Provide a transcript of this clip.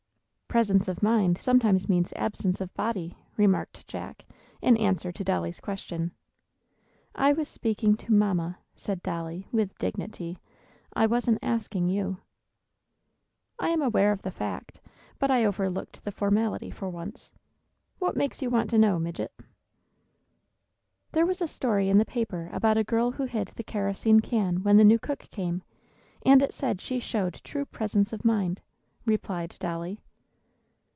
"Presence of mind sometimes means absence of body," remarked Jack, in answer to Dolly's question. "I was speaking to Mamma," said Dolly, with dignity. "I wasn't asking you." "I am aware of the fact, but I overlooked the formality, for once. What makes you want to know, midget?" "There was a story in the paper about a girl who hid the kerosene can when the new cook came, and it said she showed true presence of mind," replied Dolly.